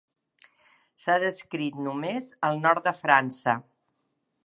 S'ha descrit només al nord de França.